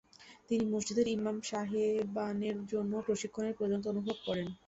তিনি মসজিদের ইমাম সাহেবানের জন্যও প্রশিক্ষণের প্রয়ােজনীয়তা অনুভব করেন।